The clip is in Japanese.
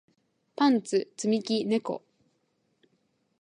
パンツ積み木猫